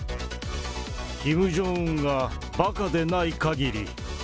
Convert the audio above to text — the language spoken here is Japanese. キム・ジョンウンがばかでないかぎり。